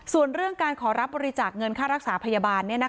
ส่วนเรื่องการขอรับบริจาคเงินค่ารักษาพยาบาล